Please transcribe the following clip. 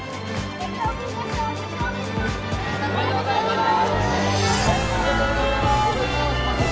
おめでとうございます。